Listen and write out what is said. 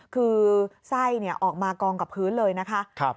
คือไส้ออกมากองกับพื้นเลยนะคะ